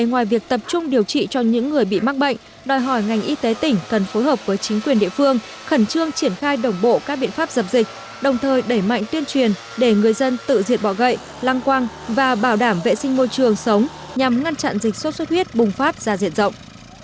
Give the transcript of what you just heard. ngoài việc tập trung điều trị cho những người bị mắc bệnh đòi hỏi ngành y tế tỉnh cần phối hợp với chính quyền địa phương khẩn trương triển khai đồng bộ các biện pháp dập dịch đồng thời đẩy mạnh tuyên truyền để người dân tự diệt bỏ gậy lăng quang và bảo đảm vệ sinh môi trường sống nhằm ngăn chặn dịch sốt xuất huyết bùng phát ra diện rộng